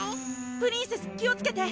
プリンセス気をつけて！